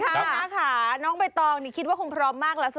ลับนะคะน้องเบยตองคิดว่าคงพร้อมมากแล้ว